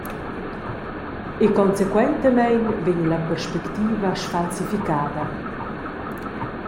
E consequentamein vegn la perspectiva sfalsificada.